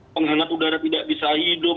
penghangat udara tidak bisa hidup